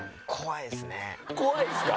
怖いですか？